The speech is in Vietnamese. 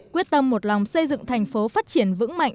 quyết tâm một lòng xây dựng thành phố phát triển vững mạnh